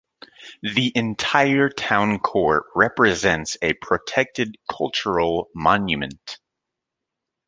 The entire town core represents a protected cultural monument.